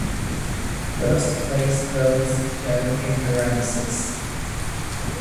First place votes shown in parenthesis.